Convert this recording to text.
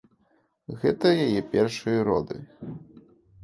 Гэта яе першыя роды.